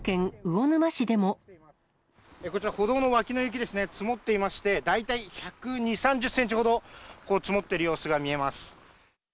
こちら、歩道の脇の雪ですね、積もっていまして、大体１２０、３０センチほど積もっている様子が見えます。